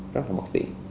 rất là mật tiện